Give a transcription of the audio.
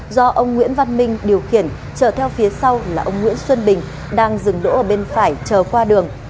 do ông nguyễn văn minh điều khiển trở theo phía sau là ông nguyễn xuân bình đang dừng đỗ ở bên phải chờ qua đường